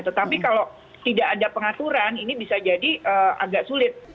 tetapi kalau tidak ada pengaturan ini bisa jadi agak sulit